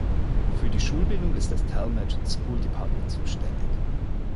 Für die Schulbildung ist das Talmadge School Department zuständig.